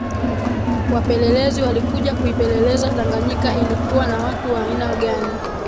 wapelelezi walikuja kuipeleleza Tanganyika ilikuwa na watu wa aina gani